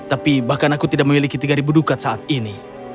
tapi bahkan aku tidak memiliki tiga ribu dukat saat ini